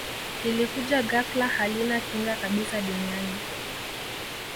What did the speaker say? lilikuja ghafla halina kinga kabisa duniani